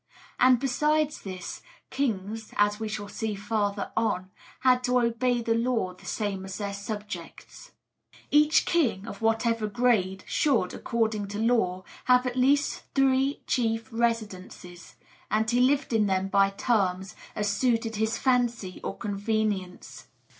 And besides this, kings, as we shall see farther on, had to obey the law the same as their subjects. Each king, of whatever grade, should, according to law, have at least three chief residences; and he lived in them by turns, as suited his fancy or convenience.